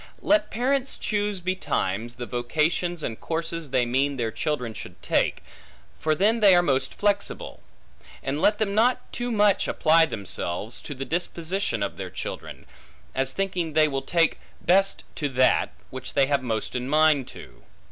Let parents choose betimes, the vocations and courses they mean their children should take; for then they are most flexible; and let them not too much apply themselves to the disposition of their children, as thinking they will take best to that, which they have most mind to.